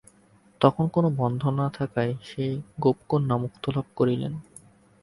তখন কোন বন্ধন না থাকায় সেই গোপকন্যা মুক্তিলাভ করিলেন।